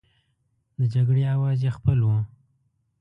د جګړې اوزار یې خپل وو.